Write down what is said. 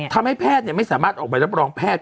ทำให้แพทย์ไม่สามารถออกใบรับรองแพทย์